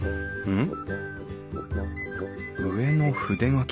うん。